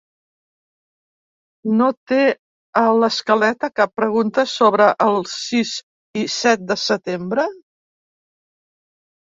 No té a l’escaleta cap pregunta sobre el sis i set de setembre?